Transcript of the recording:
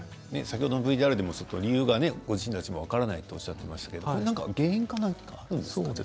ＶＴＲでもご本人たち理由が分からないとおっしゃっていましたが原因はあるんですか？